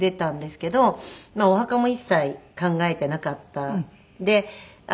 お墓も一切考えてなかったんで。